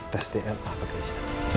test dna bagi riki